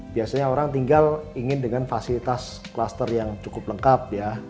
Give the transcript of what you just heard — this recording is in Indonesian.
biasanya orang tinggal ingin dengan fasilitas klaster yang cukup lengkap ya